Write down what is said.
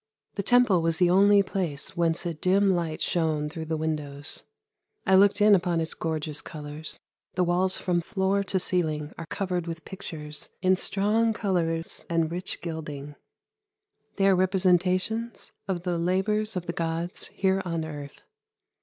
The Temple was the only place whence a dim light shone through the windows. I looked in upon its gorgeous colours. The walls from floor to ceiling are covered with pictures in strong colours and rich gilding. They are representations of the labours of the gods here on earth.